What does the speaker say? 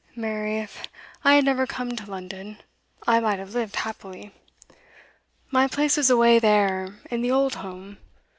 Mary, if I had never come to London, I might have lived happily. My place was away there, in the old home.